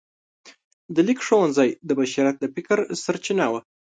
د لیک ښوونځی د بشریت د فکر سرچینه وه.